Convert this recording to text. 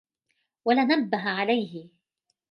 وَلَنَبَّهَ عَلَيْهِ